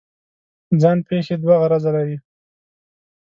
ځان پېښې دوه غرضه لري.